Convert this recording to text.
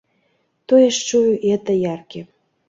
Тое ж чую і ад даяркі.